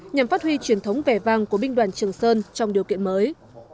nhằm phát huy truyền thống vẻ vang của binh đoàn trường sơn trong điều kiện mới